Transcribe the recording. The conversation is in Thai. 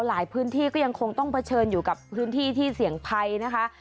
หลายพื้นที่ก็ยังคงต้องเผชิญอยู่กับพื้นที่ที่เสี่ยงภัยนะคะ